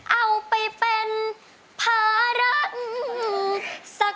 เอาไปเป็นภาระสักคน